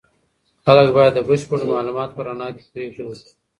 خلګ باید د بشپړو معلوماتو په رڼا کي پریکړې وکړي.